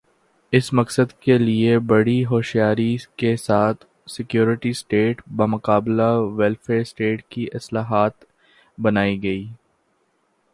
اس مقصد کے لئے بڑی ہوشیاری کے ساتھ سیکورٹی سٹیٹ بمقابلہ ویلفیئر سٹیٹ کی اصطلاحات بنائی گئیں۔